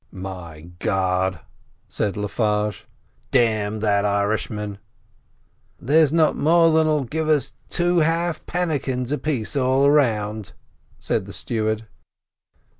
"My God!" said Le Farge. "Damn that Irishman!" "There's not more than'll give us two half pannikins apiece all round," said the steward.